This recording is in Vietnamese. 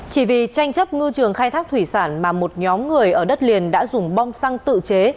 chỉ vì tranh chấp ngư trường khai thác thủy sản mà một nhóm người ở đất liền đã dùng bom xăng tự chế